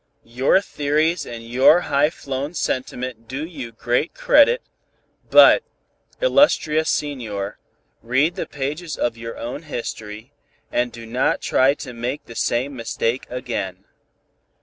Your theories and your high flown sentiment do you great credit, but, illustrious Senor, read the pages of your own history, and do not try to make the same mistake again.